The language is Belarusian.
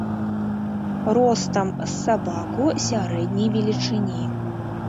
Ростам з сабаку сярэдняй велічыні.